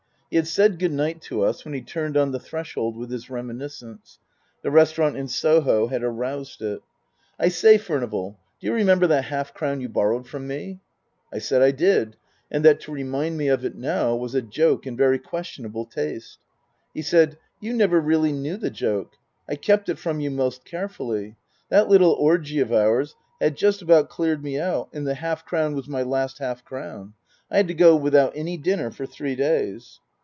He had said good night to us when he turned on the threshold with his reminiscence. The restaurant in Soho had aroused it. " I say, Furnival, do you remember that half crown you borrowed from me ?" I said I did. And that to remind me of it now was a joke in very questionable taste. He said, " You never really knew the joke. I kept it from you most carefully. That little orgy of ours had just about cleared me out and the half crown was my last half crown. I had to go without any dinner for three days."